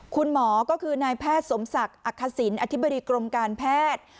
คุณหมอก็คือนายแพทย์สมศักดิ์อักษิณอธิบดีกรมการแพทย์